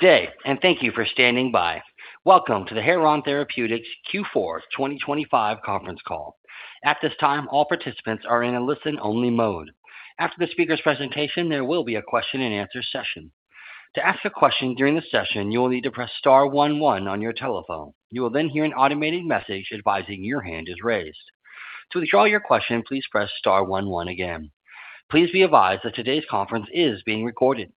Good day. Thank you for standing by. Welcome to the Heron Therapeutics Q4 2025 conference call. At this time, all participants are in a listen-only mode. After the speaker's presentation, there will be a question-and-answer session. To ask a question during the session, you will need to press star one one on your telephone. You will hear an automated message advising your hand is raised. To withdraw your question, please press star one one again. Please be advised that today's conference is being recorded.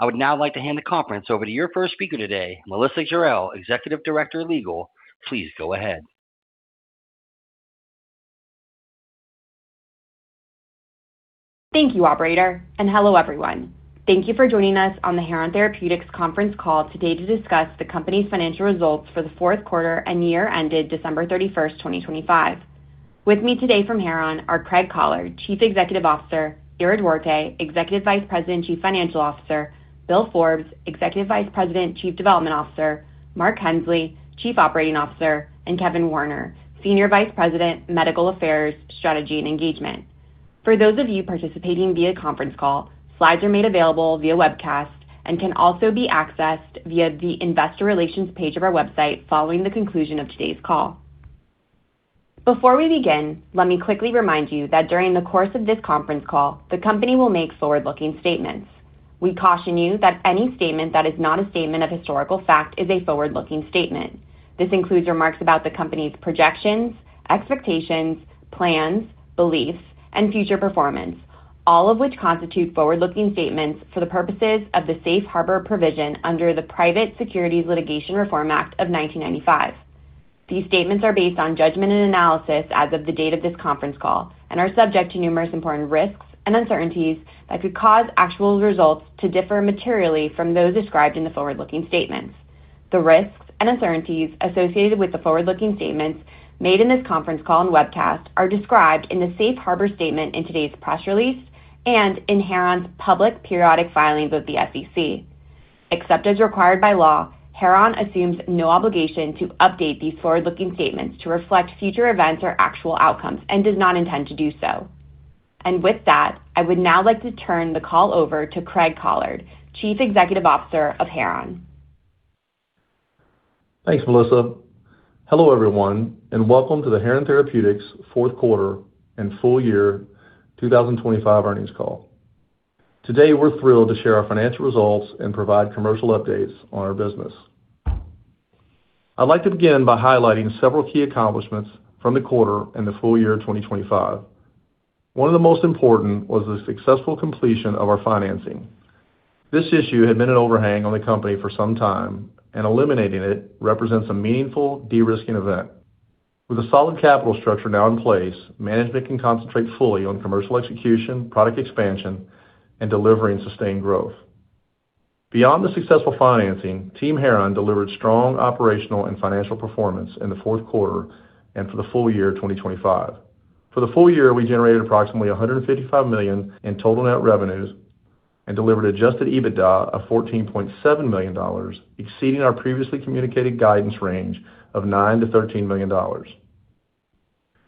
I would now like to hand the conference over to your first speaker today, Melissa Jarel, Executive Director of Legal. Please go ahead. Thank you, operator. Hello, everyone. Thank you for joining us on the Heron Therapeutics conference call today to discuss the company's financial results for the fourth quarter and year ended December 31, 2025. With me today from Heron are Craig Collard, Chief Executive Officer, Ira Duarte, Executive Vice President and Chief Financial Officer, Bill Forbes, Executive Vice President and Chief Development Officer, Mark Hensley, Chief Operating Officer, and Kevin Warner, Senior Vice President, Medical Affairs, Strategy, and Engagement. For those of you participating via conference call, slides are made available via webcast and can also be accessed via the investor relations page of our website following the conclusion of today's call. Before we begin, let me quickly remind you that during the course of this conference call, the company will make forward-looking statements. We caution you that any statement that is not a statement of historical fact is a forward-looking statement. This includes remarks about the company's projections, expectations, plans, beliefs, and future performance, all of which constitute forward-looking statements for the purposes of the Safe Harbor provision under the Private Securities Litigation Reform Act of 1995. These statements are based on judgment and analysis as of the date of this conference call and are subject to numerous important risks and uncertainties that could cause actual results to differ materially from those described in the forward-looking statements. The risks and uncertainties associated with the forward-looking statements made in this conference call and webcast are described in the Safe Harbor statement in today's press release and in Heron's public periodic filings with the SEC. Except as required by law, Heron assumes no obligation to update these forward-looking statements to reflect future events or actual outcomes and does not intend to do so. With that, I would now like to turn the call over to Craig Collard, Chief Executive Officer of Heron. Thanks, Melissa. Hello, everyone, and welcome to the Heron Therapeutics fourth quarter and full year 2025 earnings call. Today, we're thrilled to share our financial results and provide commercial updates on our business. I'd like to begin by highlighting several key accomplishments from the quarter and the full year 2025. One of the most important was the successful completion of our financing. This issue had been an overhang on the company for some time, and eliminating it represents a meaningful de-risking event. With a solid capital structure now in place, management can concentrate fully on commercial execution, product expansion, and delivering sustained growth. Beyond the successful financing, Team Heron delivered strong operational and financial performance in the fourth quarter and for the full year 2025. For the full year, we generated approximately $155 million in total net revenues and delivered adjusted EBITDA of $14.7 million, exceeding our previously communicated guidance range of $9 million-$13 million.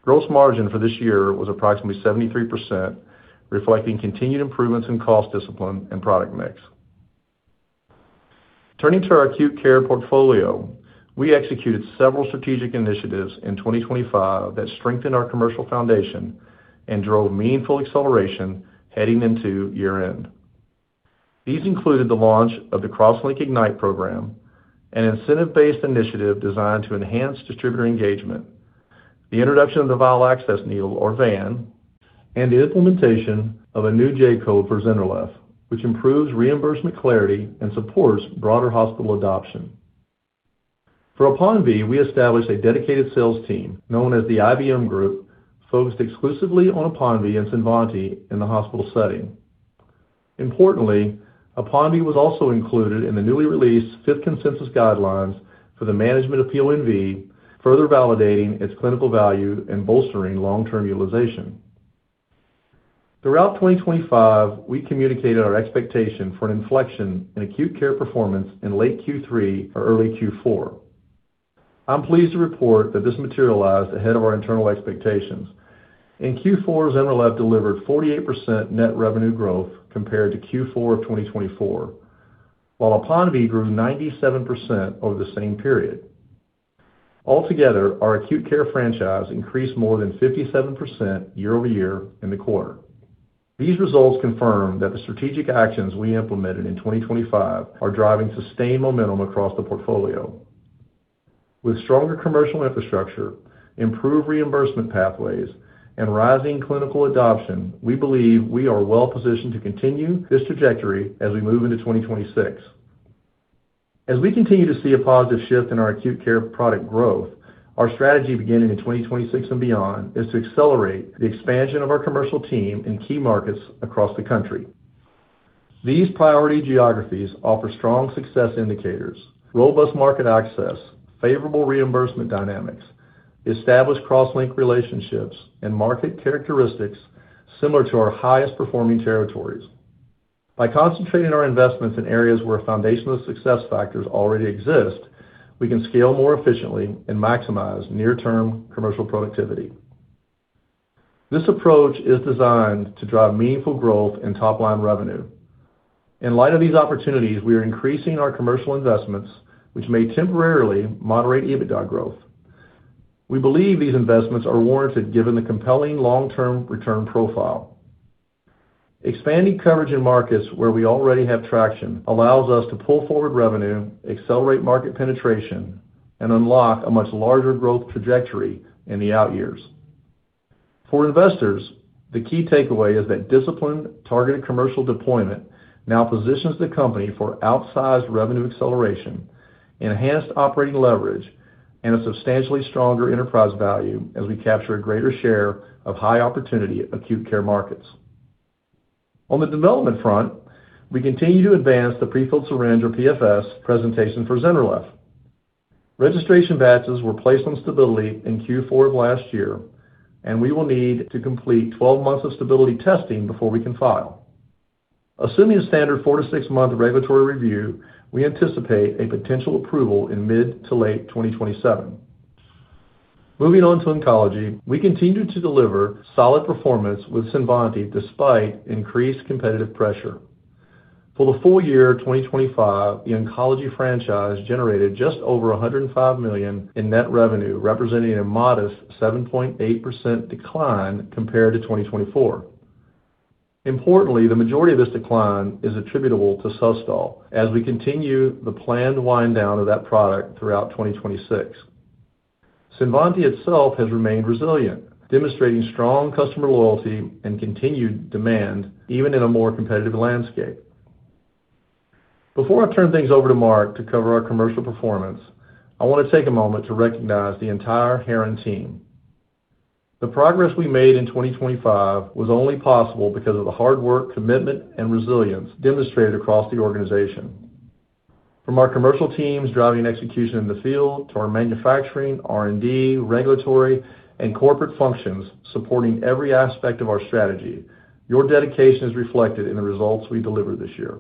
Gross margin for this year was approximately 73%, reflecting continued improvements in cost discipline and product mix. Turning to our acute care portfolio, we executed several strategic initiatives in 2025 that strengthened our commercial foundation and drove meaningful acceleration heading into year-end. These included the launch of the CrossLink Ignite program, an incentive-based initiative designed to enhance distributor engagement, the introduction of the Vial Access Needle, or VAN, and the implementation of a new J-code for ZYNRELEF, which improves reimbursement clarity and supports broader hospital adoption. For APONVIE, we established a dedicated sales team known as the IBM team, focused exclusively on APONVIE and CINVANTI in the hospital setting. Importantly, APONVIE was also included in the newly released fifth consensus guidelines for the management of PONV, further validating its clinical value and bolstering long-term utilization. Throughout 2025, we communicated our expectation for an inflection in acute care performance in late Q3 or early Q4. I'm pleased to report that this materialized ahead of our internal expectations. In Q4, ZYNRELEF delivered 48% net revenue growth compared to Q4 of 2024, while APONVIE grew 97% over the same period. Altogether, our acute care franchise increased more than 57% year-over-year in the quarter. These results confirm that the strategic actions we implemented in 2025 are driving sustained momentum across the portfolio. With stronger commercial infrastructure, improved reimbursement pathways, and rising clinical adoption, we believe we are well positioned to continue this trajectory as we move into 2026. As we continue to see a positive shift in our acute care product growth, our strategy beginning in 2026 and beyond is to accelerate the expansion of our commercial team in key markets across the country. These priority geographies offer strong success indicators, robust market access, favorable reimbursement dynamics, established CrossLink relationships, and market characteristics similar to our highest-performing territories. By concentrating our investments in areas where foundational success factors already exist, we can scale more efficiently and maximize near-term commercial productivity. This approach is designed to drive meaningful growth in top-line revenue. In light of these opportunities, we are increasing our commercial investments, which may temporarily moderate EBITDA growth. We believe these investments are warranted, given the compelling long-term return profile. Expanding coverage in markets where we already have traction allows us to pull forward revenue, accelerate market penetration, and unlock a much larger growth trajectory in the out years. For investors, the key takeaway is that disciplined, targeted commercial deployment now positions the company for outsized revenue acceleration, enhanced operating leverage, and a substantially stronger enterprise value as we capture a greater share of high-opportunity acute care markets. On the development front, we continue to advance the prefilled syringe, or PFS, presentation for ZYNRELEF. Registration batches were placed on stability in Q4 of last year. We will need to complete 12 months of stability testing before we can file. Assuming a standard four to six-month regulatory review, we anticipate a potential approval in mid to late 2027. Moving on to oncology. We continued to deliver solid performance with CINVANTI despite increased competitive pressure. For the full year 2025, the oncology franchise generated just over $105 million in net revenue, representing a modest 7.8% decline compared to 2024. Importantly, the majority of this decline is attributable to SUSTOL as we continue the planned wind-down of that product throughout 2026. CINVANTI itself has remained resilient, demonstrating strong customer loyalty and continued demand even in a more competitive landscape. Before I turn things over to Mark Hensley to cover our commercial performance, I want to take a moment to recognize the entire Heron team. The progress we made in 2025 was only possible because of the hard work, commitment, and resilience demonstrated across the organization. From our commercial teams driving execution in the field, to our manufacturing, R&D, regulatory, and corporate functions supporting every aspect of our strategy, your dedication is reflected in the results we delivered this year.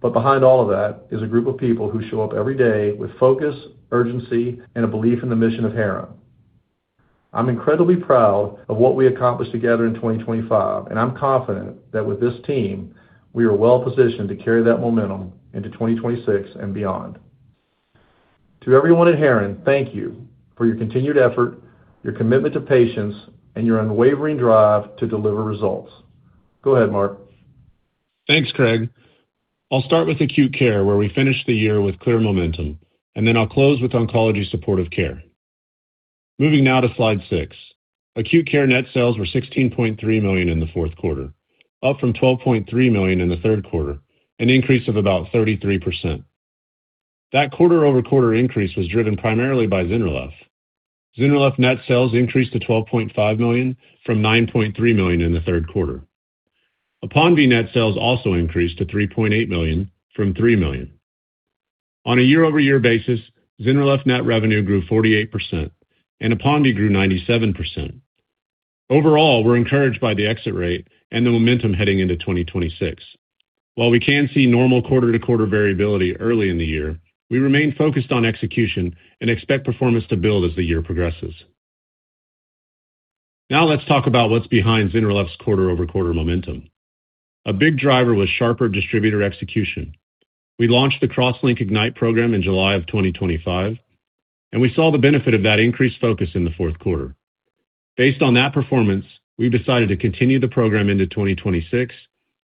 Behind all of that is a group of people who show up every day with focus, urgency, and a belief in the mission of Heron. I'm incredibly proud of what we accomplished together in 2025, and I'm confident that with this team, we are well positioned to carry that momentum into 2026 and beyond. To everyone at Heron, thank you for your continued effort, your commitment to patients, and your unwavering drive to deliver results. Go ahead, Mark. Thanks, Craig. I'll start with acute care, where we finished the year with clear momentum, then I'll close with oncology supportive care. Moving now to Slide 6. Acute care net sales were $16.3 million in the fourth quarter, up from $12.3 million in the third quarter, an increase of about 33%. That quarter-over-quarter increase was driven primarily by ZYNRELEF. ZYNRELEF net sales increased to $12.5 million from $9.3 million in the third quarter. APONVIE net sales also increased to $3.8 million from $3 million. On a year-over-year basis, ZYNRELEF net revenue grew 48%, and APONVIE grew 97%. Overall, we're encouraged by the exit rate and the momentum heading into 2026. While we can see normal quarter-to-quarter variability early in the year, we remain focused on execution and expect performance to build as the year progresses. Let's talk about what's behind ZYNRELEF's quarter-over-quarter momentum. A big driver was sharper distributor execution. We launched the CrossLink Ignite program in July of 2025. We saw the benefit of that increased focus in the fourth quarter. Based on that performance, we've decided to continue the program into 2026.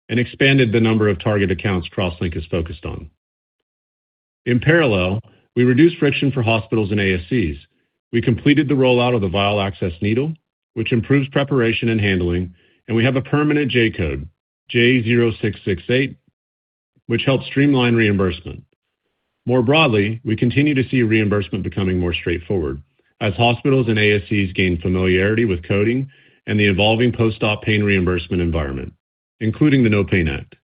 We expanded the number of target accounts CrossLink is focused on. In parallel, we reduced friction for hospitals and ASCs. We completed the rollout of the Vial Access Needle, which improves preparation and handling. We have a permanent J-code, J0668, which helps streamline reimbursement. More broadly, we continue to see reimbursement becoming more straightforward as hospitals and ASCs gain familiarity with coding and the evolving post-op pain reimbursement environment, including the NOPAIN Act.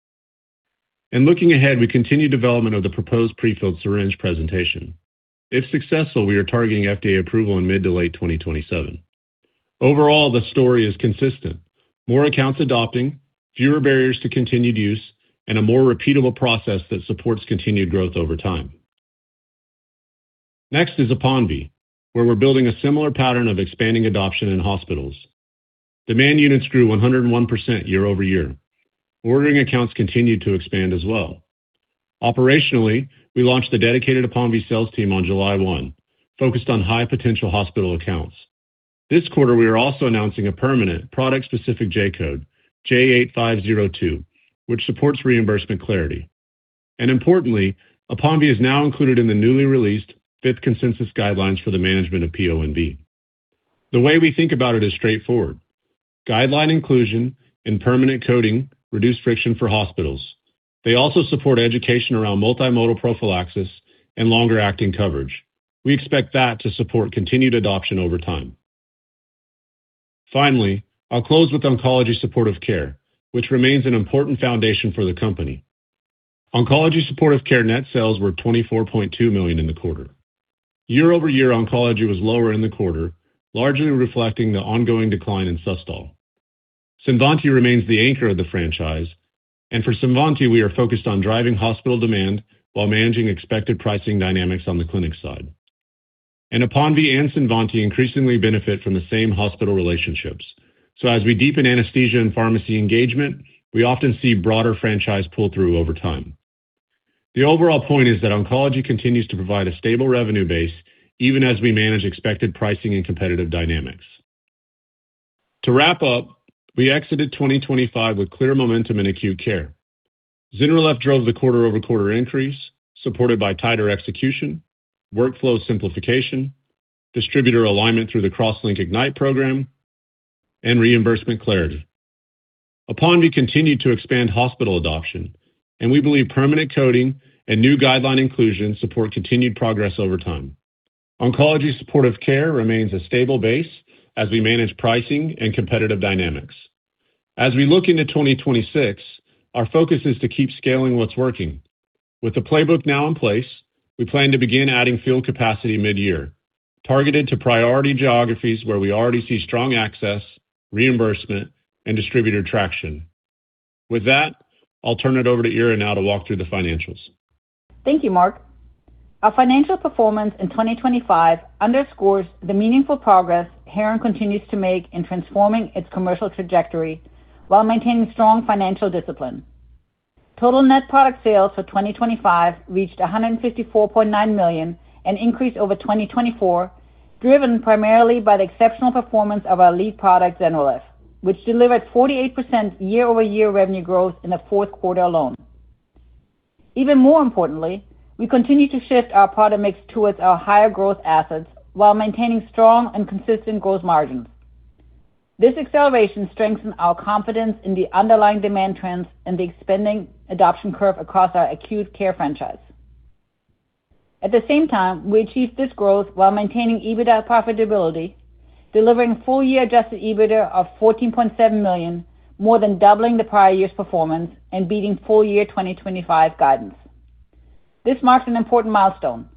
Looking ahead, we continue development of the proposed prefilled syringe presentation. If successful, we are targeting FDA approval in mid to late 2027. Overall, the story is consistent. More accounts adopting, fewer barriers to continued use, and a more repeatable process that supports continued growth over time. Next is APONVIE, where we're building a similar pattern of expanding adoption in hospitals. Demand units grew 101% year-over-year. Ordering accounts continued to expand as well. Operationally, we launched the dedicated APONVIE sales team on July 1, focused on high-potential hospital accounts. This quarter, we are also announcing a permanent product-specific J-code, J8502, which supports reimbursement clarity. Importantly, APONVIE is now included in the newly released fifth consensus guidelines for the management of PONV. The way we think about it is straightforward. Guideline inclusion and permanent coding reduce friction for hospitals. They also support education around multimodal prophylaxis and longer-acting coverage. We expect that to support continued adoption over time. Finally, I'll close with oncology supportive care, which remains an important foundation for the company. Oncology supportive care net sales were $24.2 million in the quarter. Year-over-year, oncology was lower in the quarter, largely reflecting the ongoing decline in SUSTOL. CINVANTI remains the anchor of the franchise, and for CINVANTI, we are focused on driving hospital demand while managing expected pricing dynamics on the clinic side. APONVIE and CINVANTI increasingly benefit from the same hospital relationships. As we deepen anesthesia and pharmacy engagement, we often see broader franchise pull-through over time. The overall point is that oncology continues to provide a stable revenue base, even as we manage expected pricing and competitive dynamics. To wrap up, we exited 2025 with clear momentum in acute care. ZYNRELEF drove the quarter-over-quarter increase, supported by tighter execution, workflow simplification, distributor alignment through the CrossLink Ignite program, and reimbursement clarity. APONVIE continued to expand hospital adoption, and we believe permanent coding and new guideline inclusion support continued progress over time. Oncology supportive care remains a stable base as we manage pricing and competitive dynamics. As we look into 2026, our focus is to keep scaling what's working. With the playbook now in place, we plan to begin adding field capacity mid-year, targeted to priority geographies where we already see strong access, reimbursement, and distributor traction. With that, I'll turn it over to Ira now to walk through the financials. Thank you, Mark. Our financial performance in 2025 underscores the meaningful progress Heron continues to make in transforming its commercial trajectory while maintaining strong financial discipline. Total net product sales for 2025 reached $154.9 million, an increase over 2024, driven primarily by the exceptional performance of our lead product, ZYNRELEF, which delivered 48% year-over-year revenue growth in the fourth quarter alone. Even more importantly, we continue to shift our product mix towards our higher growth assets while maintaining strong and consistent growth margins. This acceleration strengthened our confidence in the underlying demand trends and the expanding adoption curve across our acute care franchise. At the same time, we achieved this growth while maintaining EBITDA profitability, delivering full-year adjusted EBITDA of $14.7 million, more than doubling the prior year's performance and beating full-year 2025 guidance. This marks an important milestone.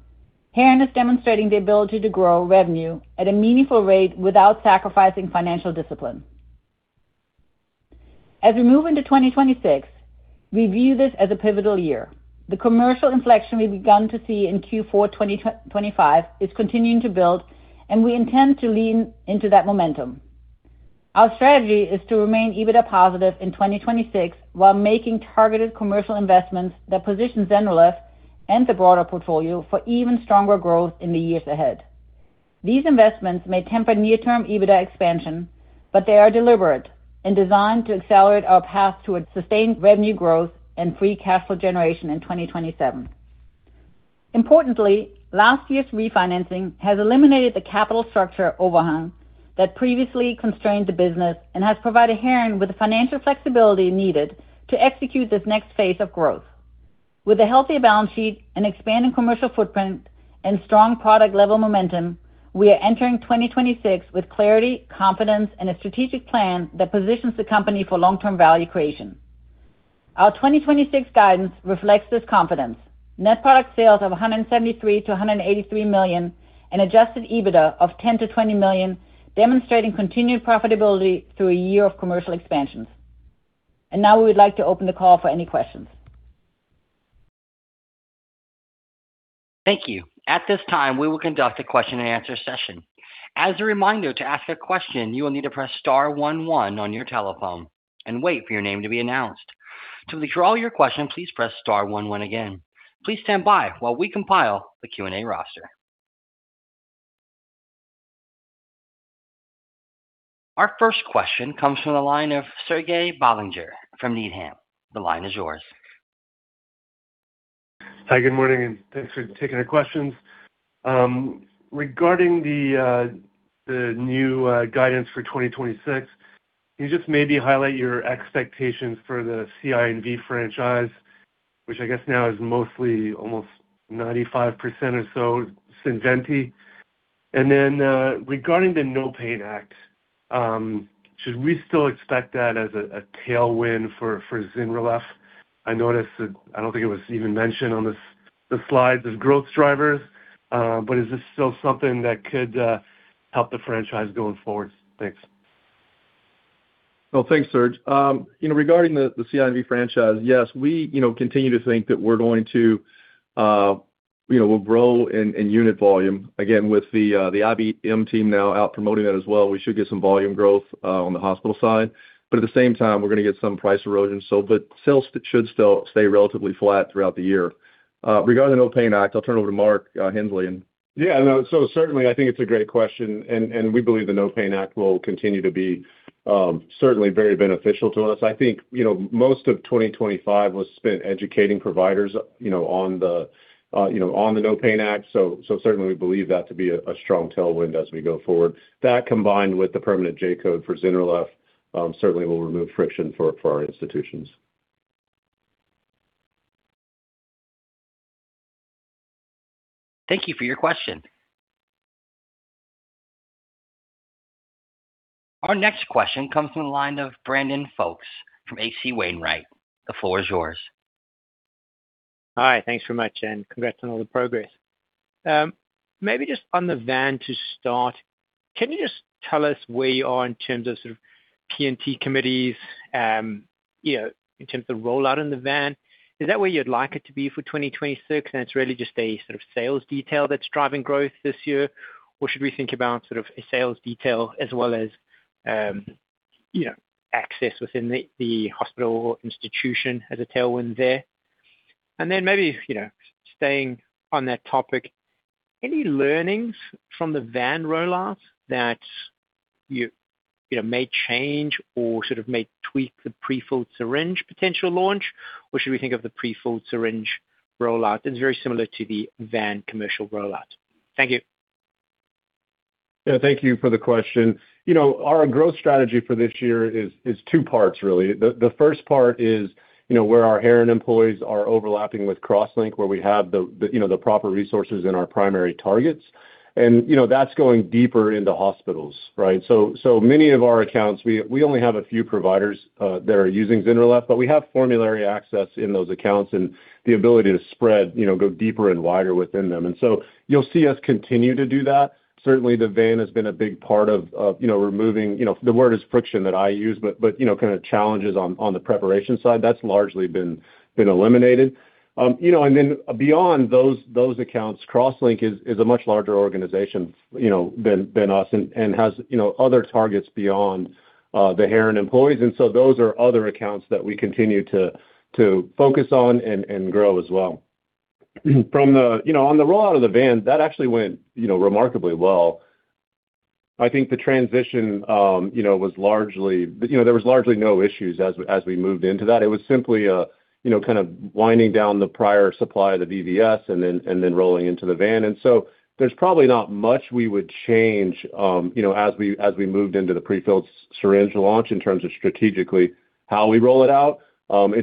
Heron is demonstrating the ability to grow revenue at a meaningful rate without sacrificing financial discipline. As we move into 2026, we view this as a pivotal year. The commercial inflection we've begun to see in Q4 2025 is continuing to build, and we intend to lean into that momentum. Our strategy is to remain EBITDA positive in 2026, while making targeted commercial investments that position ZYNRELEF and the broader portfolio for even stronger growth in the years ahead. These investments may temper near-term EBITDA expansion, but they are deliberate and designed to accelerate our path towards sustained revenue growth and free cash flow generation in 2027. Importantly, last year's refinancing has eliminated the capital structure overhang that previously constrained the business and has provided Heron with the financial flexibility needed to execute this next phase of growth. With a healthy balance sheet and expanding commercial footprint and strong product level momentum, we are entering 2026 with clarity, confidence, and a strategic plan that positions the company for long-term value creation. Our 2026 guidance reflects this confidence. Net product sales of $173 million-$183 million and adjusted EBITDA of $10 million-$20 million, demonstrating continued profitability through a year of commercial expansion. Now we would like to open the call for any questions. Thank you. At this time, we will conduct a question-and-answer session. As a reminder, to ask a question, you will need to press star one one on your telephone and wait for your name to be announced. To withdraw your question, please press star one one again. Please stand by while we compile the Q&A roster. Our first question comes from the line of Serge Belanger from Needham. The line is yours. Hi, good morning, and thanks for taking the questions. Regarding the new guidance for 2026, can you just maybe highlight your expectations for the CINV franchise, which I guess now is mostly almost 95% or so, CINVANTI? Regarding the NOPAIN Act, should we still expect that as a tailwind for ZYNRELEF? I noticed that I don't think it was even mentioned on the slides as growth drivers, but is this still something that could help the franchise going forward? Thanks. Well, thanks, Serge. you know, regarding the CINV franchise, yes, we, you know, continue to think that we're going to, you know, we'll grow in unit volume. Again, with the IBM team now out promoting that as well, we should get some volume growth on the hospital side, but at the same time, we're going to get some price erosion. But sales should still stay relatively flat throughout the year. regarding the NOPAIN Act, I'll turn it over to Mark Hensley. Yeah, no. Certainly I think it's a great question, and we believe the NOPAIN Act will continue to be certainly very beneficial to us. I think, you know, most of 2025 was spent educating providers, you know, on the, you know, on the NOPAIN Act. Certainly we believe that to be a strong tailwind as we go forward. That, combined with the permanent J-code for ZYNRELEF, certainly will remove friction for our institutions. Thank you for your question. Our next question comes from the line of Brandon Folkes from H.C. Wainwright & Co. The floor is yours.... Hi, thanks so much, and congrats on all the progress. Maybe just on the VAN to start, can you just tell us where you are in terms of sort of P&T committees, you know, in terms of rollout in the VAN? Is that where you'd like it to be for 2026, and it's really just a sort of sales detail that's driving growth this year? Or should we think about sort of a sales detail as well as, you know, access within the hospital institution as a tailwind there? Maybe, you know, staying on that topic, any learnings from the VAN rollout that you know, may change or sort of may tweak the prefilled syringe potential launch? Or should we think of the prefilled syringe rollout as very similar to the VAN commercial rollout? Thank you. Yeah, thank you for the question. You know, our growth strategy for this year is two parts, really. The first part is, you know, where our Heron employees are overlapping with CrossLink, where we have the, you know, the proper resources in our primary targets. You know, that's going deeper into hospitals, right? Many of our accounts, we only have a few providers that are using ZYNRELEF, but we have formulary access in those accounts and the ability to spread, you know, go deeper and wider within them. You'll see us continue to do that. Certainly, the VAN has been a big part of, you know, removing, you know, the word is friction that I use, but, you know, kinda challenges on the preparation side, that's largely been eliminated. You know, and then beyond those accounts, CrossLink is a much larger organization, you know, than us and has, you know, other targets beyond the Heron employees. Those are other accounts that we continue to focus on and grow as well. You know, on the rollout of the VAN, that actually went, you know, remarkably well. I think the transition, you know, was largely, you know, there was largely no issues as we, as we moved into that. It was simply a, you know, kind of winding down the prior supply of the VVS and then, and then rolling into the VAN. There's probably not much we would change, you know, as we, as we moved into the prefilled syringe launch in terms of strategically how we roll it out.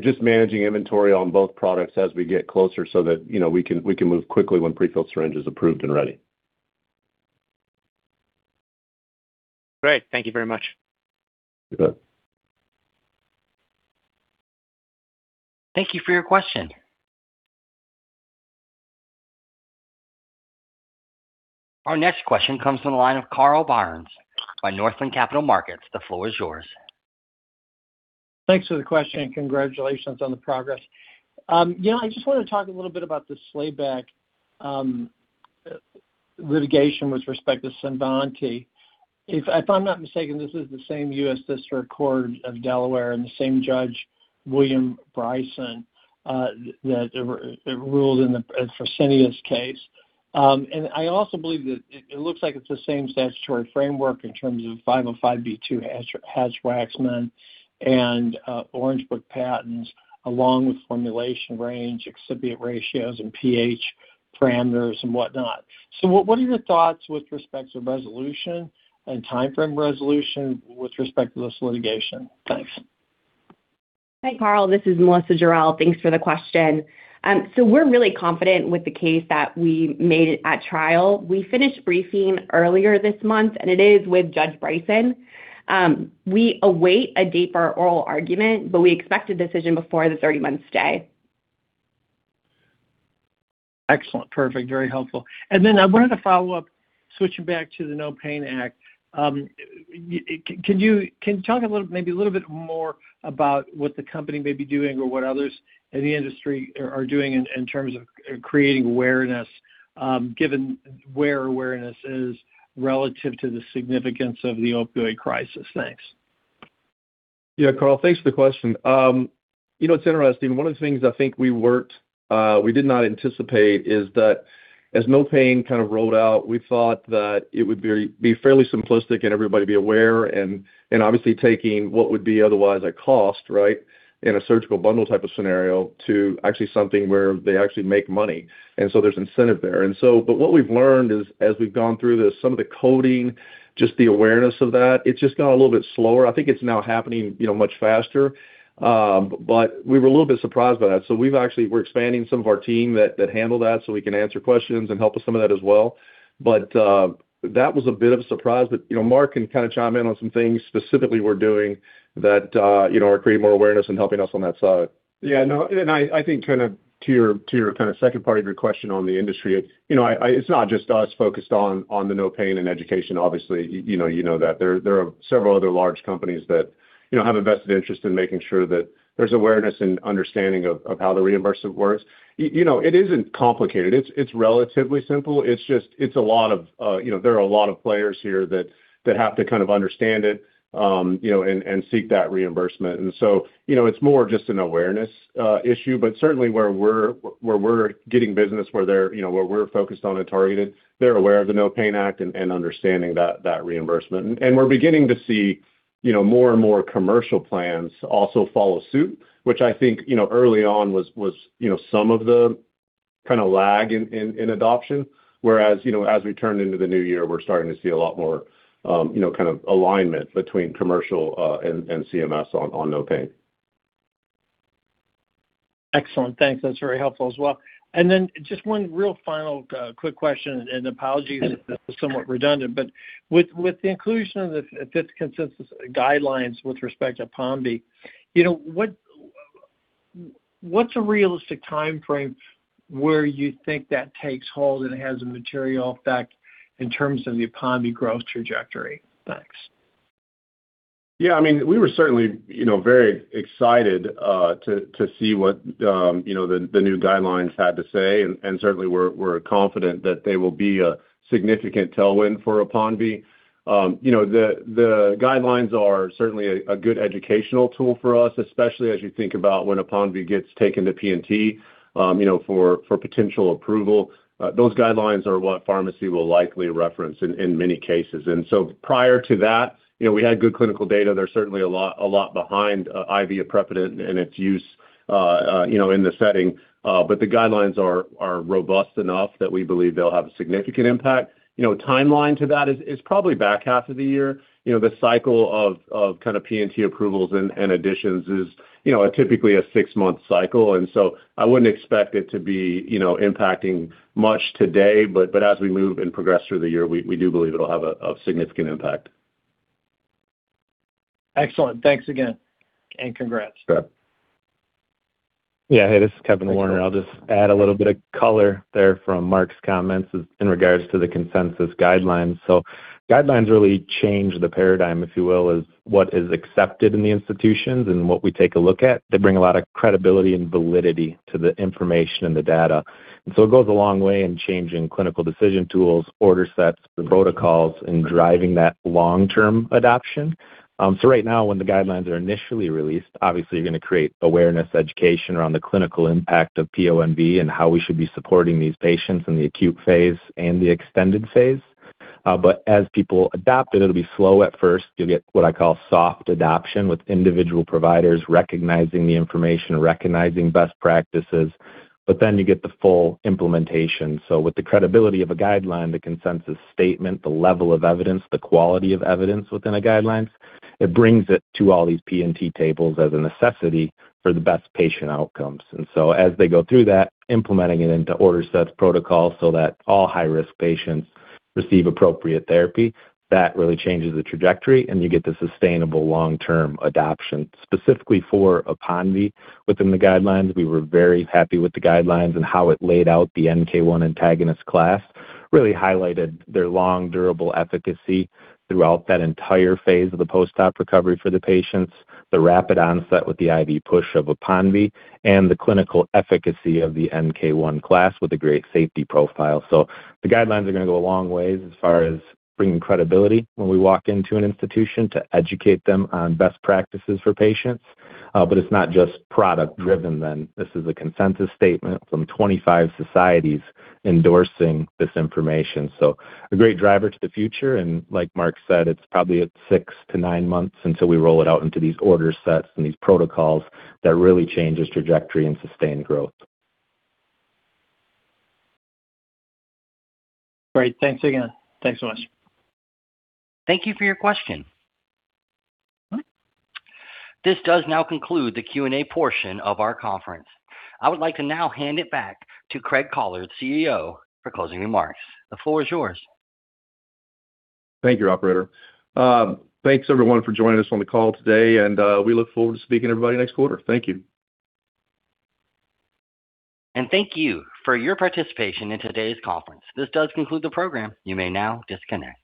Just managing inventory on both products as we get closer so that, you know, we can move quickly when prefilled syringe is approved and ready. Great. Thank you very much. You're welcome. Thank you for your question. Our next question comes from the line of Carl Byrnes by Northland Capital Markets. The floor is yours. Thanks for the question, and congratulations on the progress. Yeah, I just wanted to talk a little bit about the Slayback litigation with respect to CINVANTI. If I'm not mistaken, this is the same U.S. District Court of Delaware and the same judge, William Bryson, that ruled in the Fresenius case. I also believe that it looks like it's the same statutory framework in terms of 505(b)(2), Hatch-Waxman, and Orange Book patents, along with formulation range, excipient ratios, and pH parameters and whatnot. What are your thoughts with respects to resolution and timeframe resolution with respect to this litigation? Thanks. Hi, Carl. This is Melissa Jarel. Thanks for the question. We're really confident with the case that we made it at trial. We finished briefing earlier this month, and it is with Judge Bryson. We await a date for our oral argument, but we expect a decision before the 30-month stay. Excellent. Perfect. Very helpful. I wanted to follow up, switching back to the NOPAIN Act. Can you talk a little bit more about what the company may be doing or what others in the industry are doing in terms of creating awareness, given where awareness is relative to the significance of the opioid crisis? Thanks. Yeah, Carl, thanks for the question. You know, it's interesting. One of the things I think we worked, we did not anticipate, is that as NOPAIN Act kind of rolled out, we thought that it would be fairly simplistic and everybody be aware and, obviously taking what would be otherwise a cost, right, in a surgical bundle type of scenario, to actually something where they actually make money. There's incentive there. What we've learned is, as we've gone through this, some of the coding, just the awareness of that, it's just gone a little bit slower. I think it's now happening, you know, much faster. We were a little bit surprised by that. We're expanding some of our team that handle that, so we can answer questions and help with some of that as well. That was a bit of a surprise. You know, Mark can kinda chime in on some things specifically we're doing that, you know, are creating more awareness and helping us on that side. No, I think kind of to your, to your kind of second part of your question on the industry, you know, it's not just us focused on the NOPAIN and education. Obviously, you know, you know that there are several other large companies that, you know, have a vested interest in making sure that there's awareness and understanding of how the reimbursement works. You know, it isn't complicated. It's, it's relatively simple. It's just... It's a lot of, you know, there are a lot of players here that have to kind of understand it, you know, and seek that reimbursement. You know, it's more just an awareness issue, but certainly where we're, where we're getting business, where they're, you know, where we're focused on and targeted, they're aware of the NOPAIN Act and understanding that reimbursement. We're beginning to see, you know, more and more commercial plans also follow suit, which I think, you know, early on was, you know, some of the kind of lag in, in adoption. Whereas, you know, as we turn into the new year, we're starting to see a lot more, you know, kind of alignment between commercial and CMS on NOPAIN. Excellent. Thanks. That's very helpful as well. Then just one real final, quick question, and apologies if this is somewhat redundant. With the inclusion of this consensus guidelines with respect to PONV, you know, what's a realistic time frame where you think that takes hold and has a material effect in terms of the PONV growth trajectory? Thanks. Yeah, I mean, we were certainly, you know, very excited to see what, you know, the new guidelines had to say, and certainly we're confident that they will be a significant tailwind for PONV. You know, the guidelines are certainly a good educational tool for us, especially as you think about when a PONV gets taken to P&T, you know, for potential approval. Those guidelines are what pharmacy will likely reference in many cases. Prior to that, you know, we had good clinical data. There's certainly a lot behind IV aprepitant and its use, you know, in the setting. The guidelines are robust enough that we believe they'll have a significant impact. You know, timeline to that is probably back half of the year. You know, the cycle of kind of P&T approvals and additions is, you know, a typically a six-month cycle, and so I wouldn't expect it to be, you know, impacting much today. As we move and progress through the year, we do believe it'll have a significant impact. Excellent. Thanks again, and congrats. Sure. Hey, this is Kevin Warner. I'll just add a little bit of color there from Mark's comments as in regards to the consensus guidelines. Guidelines really change the paradigm, if you will, as what is accepted in the institutions and what we take a look at. They bring a lot of credibility and validity to the information and the data. It goes a long way in changing clinical decision tools, order sets, the protocols, and driving that long-term adoption. Right now, when the guidelines are initially released, obviously, you're gonna create awareness, education around the clinical impact of PONV and how we should be supporting these patients in the acute phase and the extended phase. As people adopt it'll be slow at first. You'll get what I call soft adoption, with individual providers recognizing the information, recognizing best practices, you get the full implementation. With the credibility of a guideline, the consensus statement, the level of evidence, the quality of evidence within the guidelines, it brings it to all these P&T tables as a necessity for the best patient outcomes. As they go through that, implementing it into order sets, protocols, so that all high-risk patients receive appropriate therapy, that really changes the trajectory, and you get the sustainable long-term adoption. Specifically for PONV within the guidelines, we were very happy with the guidelines and how it laid out the NK1 antagonist class. Really highlighted their long, durable efficacy throughout that entire phase of the post-op recovery for the patients, the rapid onset with the IV push of PONV, and the clinical efficacy of the NK1 class with a great safety profile. The guidelines are gonna go a long way as far as bringing credibility when we walk into an institution to educate them on best practices for patients. It's not just product driven then. This is a consensus statement from 25 societies endorsing this information. A great driver to the future, and like Mark said, it's probably at six to nine months until we roll it out into these order sets and these protocols that really changes trajectory and sustained growth. Great. Thanks again. Thanks so much. Thank you for your question. This does now conclude the Q&A portion of our conference. I would like to now hand it back to Craig Collard, CEO, for closing remarks. The floor is yours. Thank you, operator. Thanks everyone for joining us on the call today. We look forward to speaking to everybody next quarter. Thank you. Thank you for your participation in today's conference. This does conclude the program. You may now disconnect.